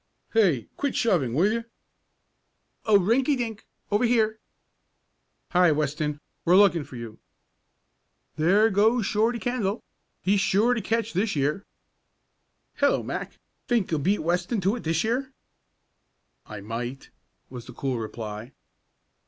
"Hey, quit shoving; will you?" "Oh, Rinky Dink! Over here!" "Hi, Weston, we're looking for you." "There goes Shorty Kendall. He'll sure catch this year." "Hello, Mac! Think you'll beat Weston to it this year?" "I might," was the cool reply.